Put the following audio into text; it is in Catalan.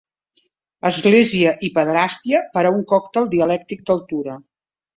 Església i pederàstia per a un còctel dialèctic d'altura.